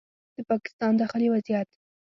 د پاکستان داخلي وضعیت